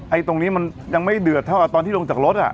ตรงนี้มันยังไม่เดือดเท่ากับตอนที่ลงจากรถอ่ะ